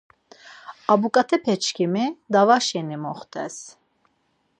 Abuǩatepeçkimi dava şeni moxtes.